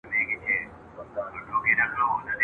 په ارغوان به ښکلي سي غیږي !.